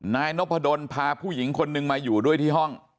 นายนพดลพาผู้หญิงคนนึงมาอยู่ด้วยที่ห้อง